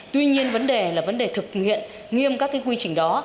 tuy nhiên vấn đề là vấn đề thực hiện nghiêm các quy trình đó